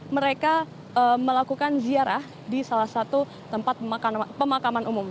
mereka melakukan ziarah di salah satu tempat pemakaman umum